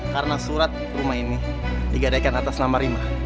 karena surat rumah ini digadikan atas nama rima